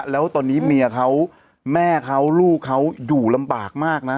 แล้วตอนนี้เมียเขาแม่เขาลูกเขาอยู่ลำบากมากนะ